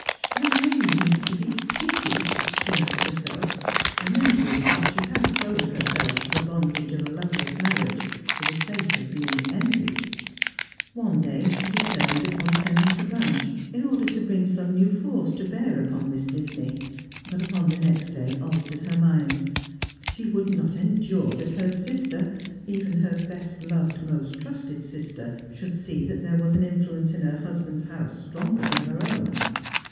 " Shall I live to be pitied P " she asked herself, remembering that she had sold herself to the bondage of a loveless marriage for the sake of being envied. One day she determined upon sending for Blanche, in order to bring some new force to bear upon Miss Disney ; but upon the next day altered her mind. She would not endure that her Bister — even her best loved, most trusted sister — should see that there was an influence in her husband's house stronger than her own.